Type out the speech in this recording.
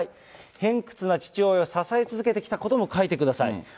偏屈な父親を支え続けてきたことも書いてください。